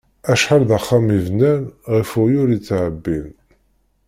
Acḥal d axxam i bnan, ɣef uɣyul i ttεebbin.